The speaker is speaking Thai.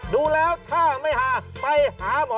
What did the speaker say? ดูแล้วถ้าไม่หาไปหาหมอ